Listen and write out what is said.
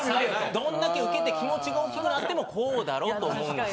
どんだけウケて気持ちが大きくなってもこうだろと思うんです。